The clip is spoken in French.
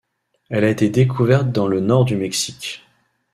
Elle a été découverte dans le nord du Mexique.